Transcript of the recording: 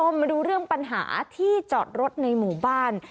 มาดูเรื่องปัญหาที่จอดรถในหมู่บ้าน